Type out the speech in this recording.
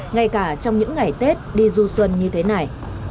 ngay cả trong những ngày tết đi du xuân như thế này